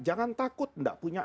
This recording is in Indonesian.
jangan takut tidak punya